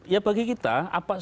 ya bagi kita